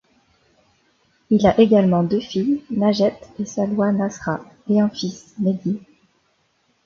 Il a également deux filles, Najet et Saloua Nasra, et un fils, Mehdi.